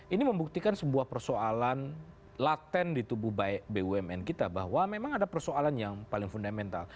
ini membuktikan sebuah persoalan laten di tubuh bumn kita bahwa memang ada persoalan yang paling fundamental